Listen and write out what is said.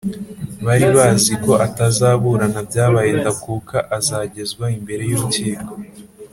Bari bazi ko atazaburana byabaye ndakuka azagezwa imbere y’urukiko